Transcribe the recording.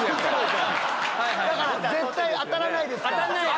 だから絶対当たらないですから。